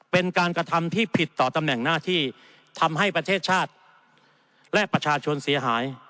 เป็นการกระทำที่ผิดต่อตำแหน่งหน้าที่ทำให้ประเทศชาติและประชาชนเสียหาย